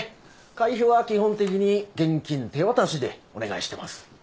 会費は基本的に現金手渡しでお願いしてます。